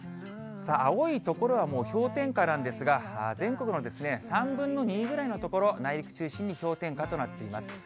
青い所はもう氷点下なんですが、全国の３分の２ぐらいの所、内陸中心に氷点下となっています。